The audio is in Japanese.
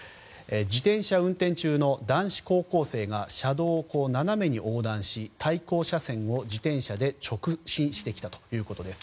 自転車運転中の男子高校生が車道を斜めに横断し対向車線を自転車で直進してきたということです。